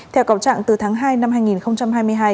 theo cầu trạng từ tháng hai năm hai nghìn hai mươi hai